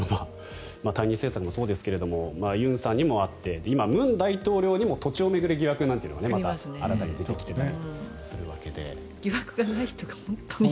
対日政策もそうですがユンさんにもあって今、文大統領にも土地を巡る疑惑なんていうのがまた新たに出てきてたりするわけで。